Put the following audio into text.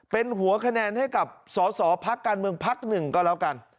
เป็นหัวคะแนนให้กับสอสอพักการเมืองพักหนึ่งก็แล้วกัน